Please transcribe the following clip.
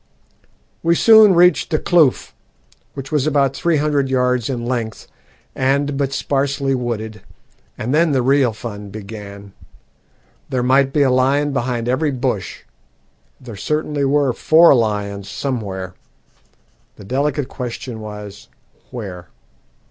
"We soon reached the kloof, which was about three hundred yards in length and but sparsely wooded, and then the real fun began. There might be a lion behind every bush there certainly were four lions somewhere; the delicate question was, where.